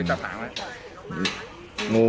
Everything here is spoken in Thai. ก็ดินอย่างนี้